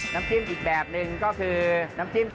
น้ำจิ้มอีกแบบหนึ่งก็คือน้ำจิ้ม